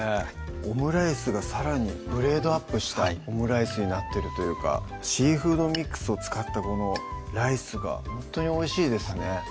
オムライスがさらにグレードアップしたオムライスになってるというかシーフードミックスを使ったこのライスがほんとにおいしいですね